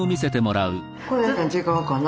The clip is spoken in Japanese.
これ違うかな？